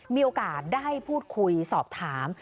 มีโอกาสได้พูดคุยสอบถาม